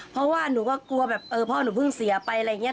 เพราะว่าหนูก็กลัวแบบเออพ่อหนูเพิ่งเสียไปอะไรอย่างนี้